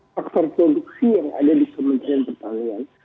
faktor produksi yang ada di kementerian pertanian